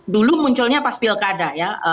dulu munculnya pas pilkada ya